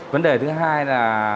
vấn đề thứ hai là